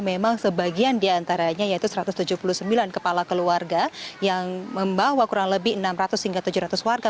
memang sebagian diantaranya yaitu satu ratus tujuh puluh sembilan kepala keluarga yang membawa kurang lebih enam ratus hingga tujuh ratus warga